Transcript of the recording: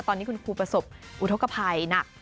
ตอนนี้คุณครูประสบอุทธกภัยหนัก